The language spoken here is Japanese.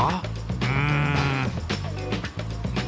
うん